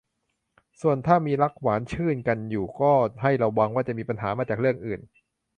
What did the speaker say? ส่วนถ้ามีรักหวานชื่นกันอยู่ก็ให้ระวังว่าจะมีปัญหามาจากเรื่องอื่น